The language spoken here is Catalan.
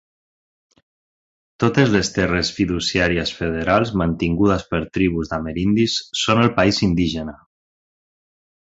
Totes les terres fiduciàries federals mantingudes per tribus d'amerindis són el país indígena.